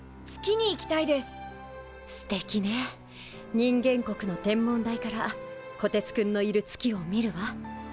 人間国の天文台からこてつくんのいる月を見るわ。